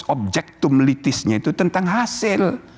objektum litisnya itu tentang hasil